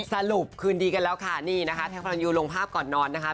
สรุปคืนดีกันแล้วค่ะนี่นะคะแท็กพระรันยูลงภาพก่อนนอนนะคะ